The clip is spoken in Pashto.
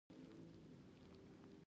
ستا په مینه کی تر دا وخت ویښ یم